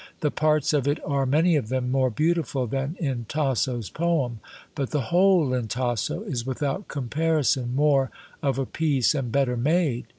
The parts of it are, many of them, more beautiful than in Tasso's poem, but the whole in Tasso is without comparison more of a piece and better made."